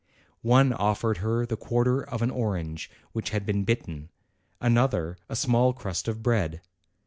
One offered her the quarter of an orange which had been bitten, another a small crust of bread.